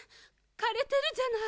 かれてるじゃない。